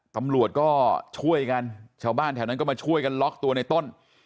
ตำรวจก็ช่วยกันชาวบ้านแถวนั้นก็มาช่วยกันล็อกตัวในต้น